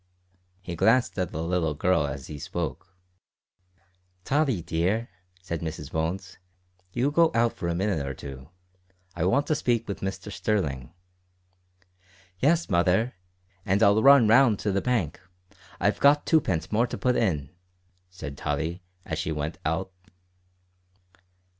He glanced at the little girl as he spoke. "Tottie, dear," said Mrs Bones, "you go out for a minute or two; I want to speak with Mr Sterling." "Yes, mother, and I'll run round to the bank; I've got twopence more to put in," said Tottie as she went out.